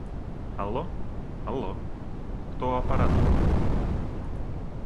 «Алло?» — «Алло». — «Кто у аппарата?»